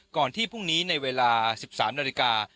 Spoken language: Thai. ก่อนที่พรุ่งนี้ในเวลา๑๓นาฬิกา